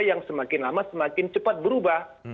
yang semakin lama semakin cepat berubah